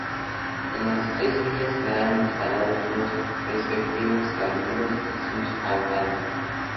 En las tres villas quedaron instalados los respectivos cabildos con sus alcaldes.